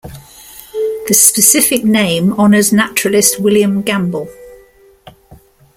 The specific name honors naturalist William Gambel.